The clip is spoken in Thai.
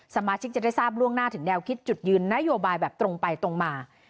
สมาชิกจะได้ทราบล่วงหน้าถึงแนวคิดจุดยืนนโยบายแบบตรงไปตรงมา